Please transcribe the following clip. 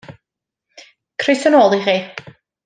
Croeso nôl i chi.